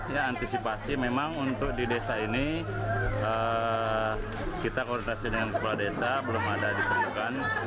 ya antisipasi memang untuk di desa ini kita koordinasi dengan kepala desa belum ada diperlukan